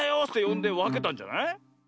ってよんでわけたんじゃない？